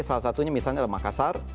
salah satunya misalnya makassar